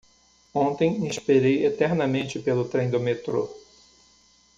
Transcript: Ontem esperei eternamente pelo trem do metrô.